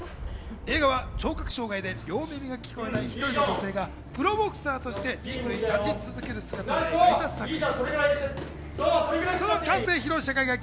映画は聴覚障害で両耳が聞こえない１人の女性がプロボクサーとしてリングに立ち続ける姿を描いた作品。